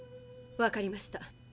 わかりました。